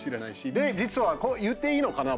で、実は、言っていいのかな？